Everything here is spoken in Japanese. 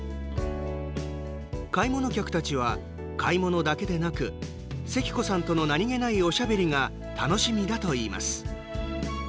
買い物客たちは買い物だけでなくせき子さんとの何気ないおしゃべりが楽しみだといいます。